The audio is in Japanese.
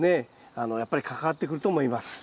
やっぱり関わってくると思います。